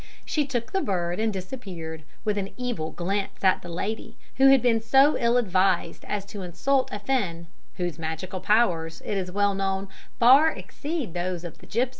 She took the bird and disappeared, with an evil glance at the lady, who had been so ill advised as to insult a Finn, whose magical powers, it is well known, far exceed those of the gipsies."